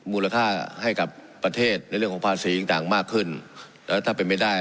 มูลค่าให้กับประเทศในเรื่องของภาษีต่างมากขึ้นแล้วถ้าเป็นไม่ได้